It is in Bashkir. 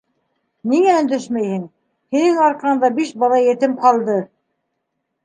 Ниңә өндәшмәйһең? һинең арҡанда биш бала етем ҡалды!..